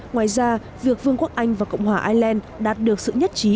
ngoài ra việc vương quốc anh và cộng hòa ireland đạt được sự nhất trí